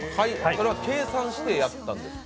それは計算してやったんですか？